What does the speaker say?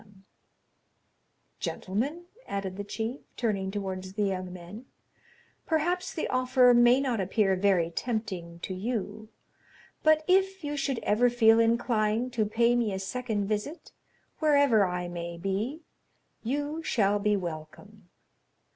20214m "Gentlemen," added the chief, turning towards the young men, "perhaps the offer may not appear very tempting to you; but if you should ever feel inclined to pay me a second visit, wherever I may be, you shall be welcome."